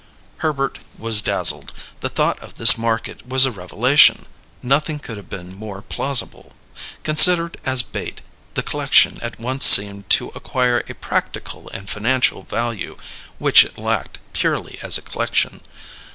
Herbert was dazzled; the thought of this market was a revelation nothing could have been more plausible. Considered as bait, the c'lection at once seemed to acquire a practical and financial value which it lacked, purely as a c'lection.